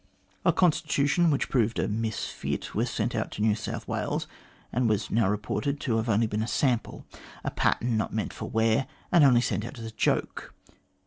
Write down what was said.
A constitution which proved a misfit was sent out to New South Wales, and was now reported to have been only a sample, a pattern not meant for wear, and only sent out as a joke.